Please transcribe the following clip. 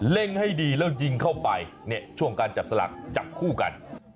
เล่งให้ดีแล้วยิงเข้าไปช่วงการจับตลาดจับคู่กัน